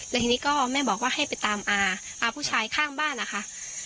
แล้วทีนี้แม่บอกว่าให้ไปตามอปุศัยข้างบ้านนะคะ